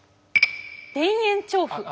田園調布。